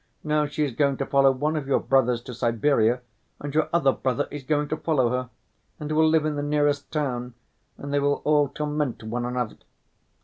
Now she is going to follow one of your brothers to Siberia, and your other brother is going to follow her, and will live in the nearest town, and they will all torment one another.